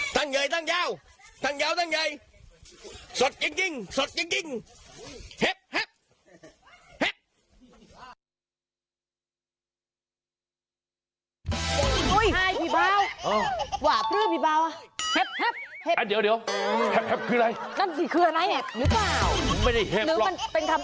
หนึ่งเป็นคำอุทานแบบโหใหญ่มากน้ำ